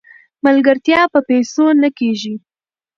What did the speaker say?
ملګرتیا په پیسو نه کیږي.